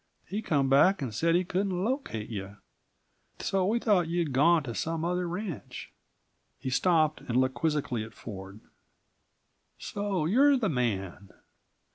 He come back and said he couldn't locate you. So we thought you'd gone to some other ranch." He stopped and looked quizzically at Ford. "So you're the man!